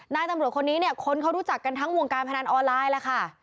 นายตำรวจคนนี้เนี่ยคนเขารู้จักกันทั้งวงการพนันออนไลน์แล้วค่ะ